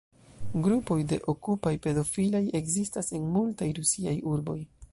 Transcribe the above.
Grupoj de "Okupaj-pedofilaj" ekzistas en multaj rusiaj urboj.